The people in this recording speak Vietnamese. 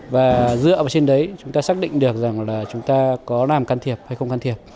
và dựa vào trên đấy chúng ta xác định được rằng là chúng ta có làm can thiệp hay không can thiệp